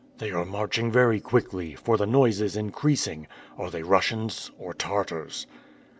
"They are marching very quickly, for the noise is increasing. Are they Russians or Tartars?"